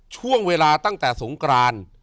ช่วงเวลาตั้งแต่สงกราน